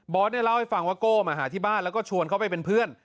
เล่าให้ฟังว่าโก้มาหาที่บ้านแล้วก็ชวนเขาไปเป็นเพื่อน